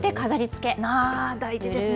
大事ですね。